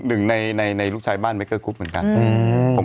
หนึ่งในลูกชายบ้านเมเกอร์กุ๊กเหมือนกัน